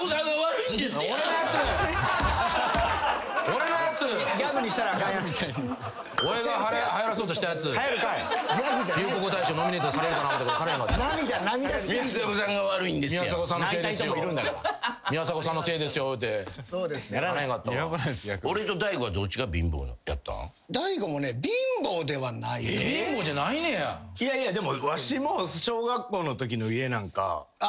いやいやでもわしも小学校のときの家なんかもう。